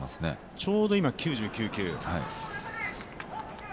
ちょうど今、９９球。